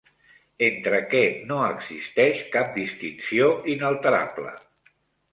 Entre què no existeix cap distinció inalterable?